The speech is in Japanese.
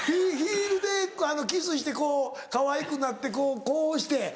ヒールでキスしてこうかわいくなってこうして。